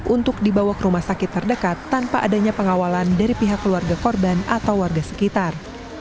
untuk dibawa ke rumah sakit terdekat tanpa adanya pengawalan dari pihak keluarga korban atau warga sekitar